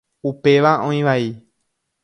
Upéva oĩ vai.